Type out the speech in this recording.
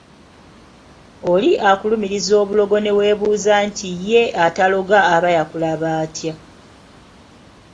Oli akulumiriza obulogo ne weebuuza nti ye ataloga aba yakulaba atya.